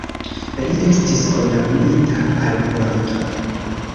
Li estis kondamnita al morto.